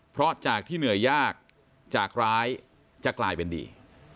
เพราะจากที่เหนื่อยยากจากร้ายจะกลายเป็นดี